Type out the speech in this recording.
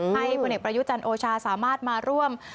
ให้พลเอกพยุจันโอชาสามารถมาร่วม